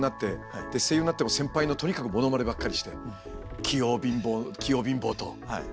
声優になっても先輩のとにかくモノマネばっかりして「器用貧乏」「器用貧乏」と言われて。